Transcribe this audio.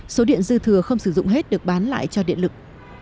số điện dư thừa không sử dụng hết được bán lại cho điện lực